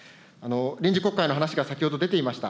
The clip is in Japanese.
臨時国会の話が、先ほど出ていました。